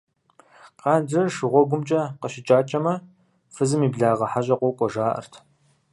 Къанжэр шыгъуэгумкӀэ къыщыкӀакӀэмэ, фызым и благъэ хьэщӀэ къокӀуэ, жаӀэрт.